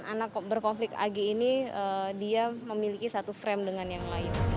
anak berkonflik ag ini dia memiliki satu frame dengan yang lain